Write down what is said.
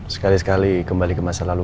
sekali sekali kembali ke masa lalu